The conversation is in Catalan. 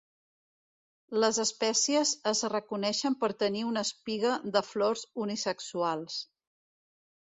Les espècies es reconeixen per tenir una espiga de flors unisexuals.